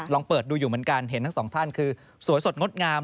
ลองเปิดดูอยู่เหมือนกันเห็นทั้งสองท่านคือสวยสดงดงาม